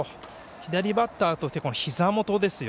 左バッターへのひざ元ですよ。